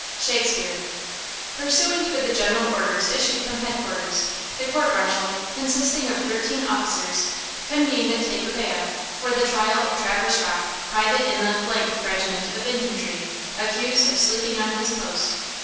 –SHAKESPEARE. PURSUANT with the general orders issued from headquarters, the court martial, consisting of thirteen officers, convened at Tacubaya, for the trial of Traverse Rocke, private in the – Regiment of Infantry, accused of sleeping on his post.